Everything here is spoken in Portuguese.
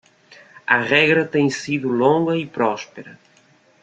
A regra tem sido longa e próspera.